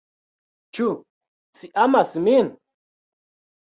Ĉu ci amas min?